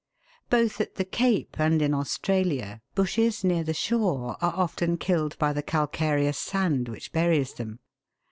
Both at the Cape and in Australia, bushes near the shore are often killed by the calcareous sand which buries them.